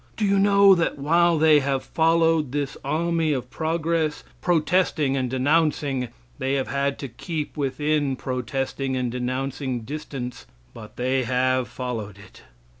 Do you know that while they have followed this army of progress, protesting and denouncing, they have had to keep within protesting and denouncing distance, but they have followed it?